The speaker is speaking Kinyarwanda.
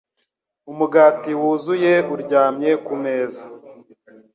Umugati wuzuye uryamye kumeza.